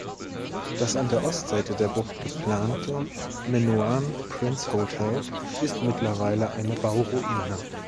Das an der Ostseite der Bucht geplante "Minoan Prince Hotel" ist mittlerweile eine Bauruine.